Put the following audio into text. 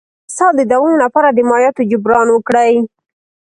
د اسهال د دوام لپاره د مایعاتو جبران وکړئ